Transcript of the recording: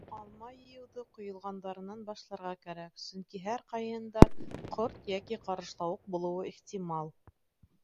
Алма йыйыуҙы ҡойолғандарынан башларға кәрәк, сөнки һәр ҡайһыһында ҡорт йәки ҡарышлауыҡ булыуы ихтимал.